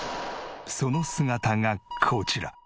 その姿がこちら。